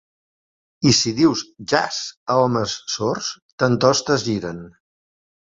I si dius "jas" a hòmens sords, tantost es giren.